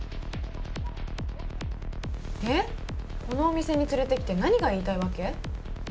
このお店に連れてきて何が言いたいわけ？